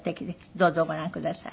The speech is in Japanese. どうぞご覧ください。